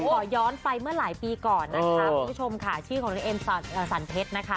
ขอย้อนไปเมื่อหลายปีก่อนนะคะคุณผู้ชมค่ะชื่อของพี่เอ็มสันเพชรนะคะ